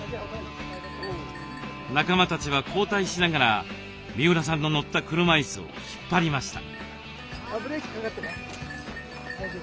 仲間たちは交代しながら三浦さんの乗った車いすを引っ張りました。